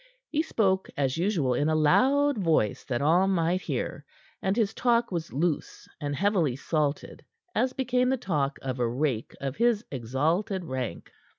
He spoke, as usual, in a loud voice that all might hear, and his talk was loose and heavily salted as became the talk of a rake of his exalted rank.